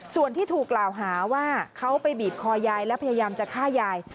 ส่วนที่ถูกกล่าวหาว่าเขาไปบีบคอยายและพยายามจะฆ่ายาย